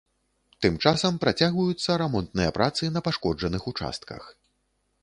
Тым часам, працягваюцца рамонтныя працы на пашкоджаных участках.